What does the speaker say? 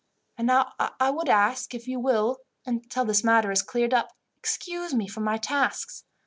And now I would ask you if you will, until this matter is cleared up, excuse me from my tasks.